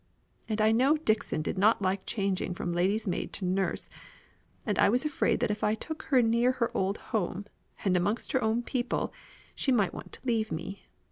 And I know Dixon did not like changing from lady's maid to nurse, and I was afraid that if I took her near her old home, and amongst her own people, she might want to leave me.